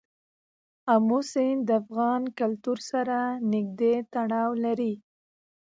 آمو سیند د افغان کلتور سره نږدې تړاو لري.